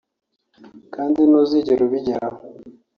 kandi ntuzigera ubigeraho